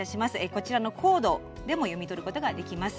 こちらのコードでも読み取ることができます。